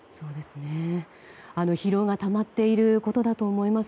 疲労がたまっていることだと思います。